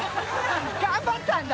頑張ったんだ！